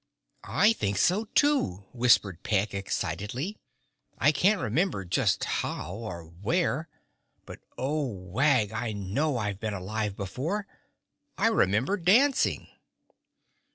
"I think so, too," whispered Peg excitedly. "I can't remember just how, or where, but Oh! Wag! I know I've been alive before. I remember dancing."